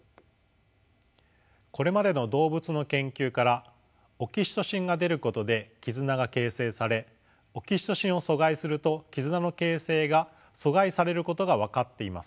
これまでの動物の研究からオキシトシンが出ることで絆が形成されオキシトシンを阻害すると絆の形成が阻害されることが分かっています。